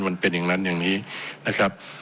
มันเป็นอย่างนั้นอย่างนี้นะครับ